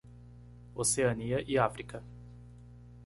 Oceania e África.